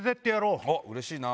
うれしいな。